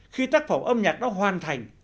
khi tác phẩm âm nhạc đã hoàn thành